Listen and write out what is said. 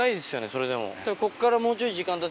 それでも。